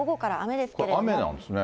雨なんですね。